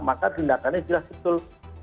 maka tindakannya sudah setul